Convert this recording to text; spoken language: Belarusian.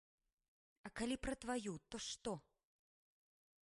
А калі пра тваю, то што?